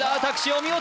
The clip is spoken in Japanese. お見事！